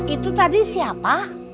itu tadi siapa